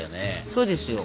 そうですよ。